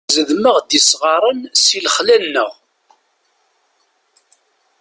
Zedmeɣ-d isɣaren si lexla-nneɣ.